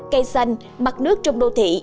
cây xanh mặt nước trong đô thị